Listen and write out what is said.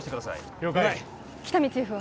了解喜多見チーフは？